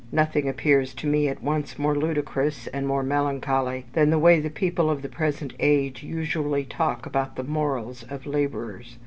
Nothing appears to me at once more ludicrous and more melancholy than the way the people of the present age usually talk about the morals of labourers.